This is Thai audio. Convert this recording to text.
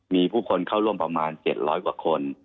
มีผู้คนเข้าร่วมประมาณ๗๐๐กว่าคน